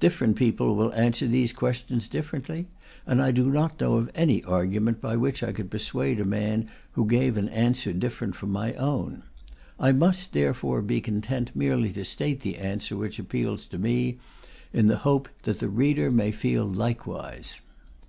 Different people will answer these questions differently, and I do not know of any argument by which I could persuade a man who gave an answer different from my own. I must therefore be content merely to state the answer which appeals to me, in the hope that the reader may feel likewise.